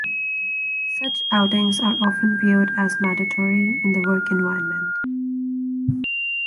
Such outings are often viewed as mandatory in the work environment.